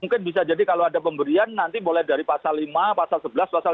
mungkin bisa jadi kalau ada pemberian nanti mulai dari pasal lima pasal sebelas pasal dua